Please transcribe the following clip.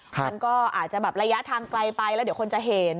มันก็อาจจะแบบระยะทางไกลไปแล้วเดี๋ยวคนจะเห็น